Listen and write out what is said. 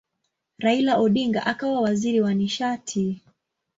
Raila Odinga akawa waziri wa nishati.